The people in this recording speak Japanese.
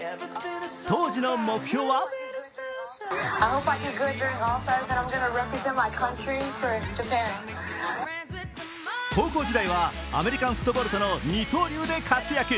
当時の目標は高校時代はアメリカンフットボールとの二刀流で活躍。